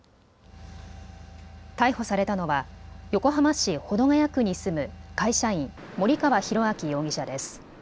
逮捕されたのは横浜市保土ケ谷区に住む会社員、森川浩昭容疑者です。